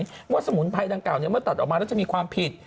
เพราะว่าสมุนไพรดังกล่าเมื่อตัดออกมาแล้วจะมีความผิด